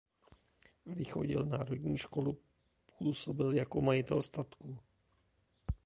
Vychodil národní školu působil jako majitel statku.